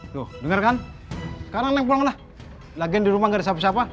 lho denger kan sekarang neng pulang lah lagian di rumah gak ada siapa siapa